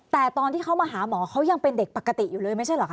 แต่ตอนที่เขามาหาหมอเขายังเป็นเด็กปกติอยู่เลยไม่ใช่เหรอคะ